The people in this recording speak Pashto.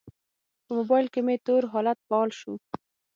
په موبایل کې مې تور حالت فعال شو.